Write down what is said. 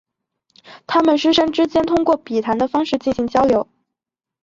他们师生之间通过笔谈的方式进行交流。